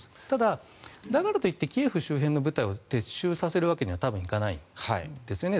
ただ、だからといってキエフ周辺の部隊を撤収させるわけには多分いかないんです。